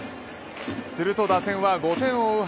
すると打線は５点を追う